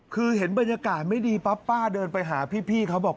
คือเห็นบรรยากาศไม่ดีปั๊บป้าเดินไปหาพี่เขาบอก